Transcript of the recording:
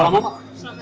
paling lama satu tahun